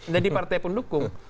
jadi partai pendukung